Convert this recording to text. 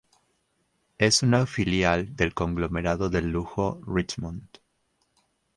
Es una filial del conglomerado del lujo Richemont.